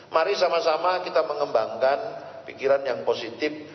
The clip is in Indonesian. mari sama sama kita mengembangkan pikiran yang positif